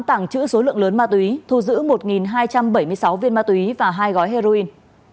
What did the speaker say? tàng trữ số lượng lớn ma túy thu giữ một hai trăm bảy mươi sáu viên ma túy và hai gói heroin